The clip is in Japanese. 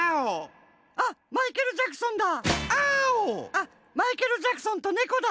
あっマイケル・ジャクソンとネコだ。